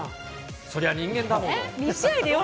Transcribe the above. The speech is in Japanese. そりゃ人間だもの。